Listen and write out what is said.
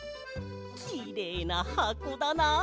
きれいなはこだな。